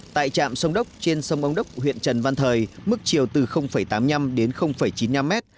tại trạm sông đốc trên sông ông đốc huyện trần văn thời mức chiều từ tám mươi năm đến chín mươi năm mét